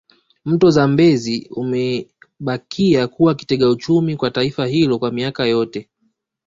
Mto Zambezi umebakia kuwa kitega uchumi kwa taifa hilo kwa miaka yote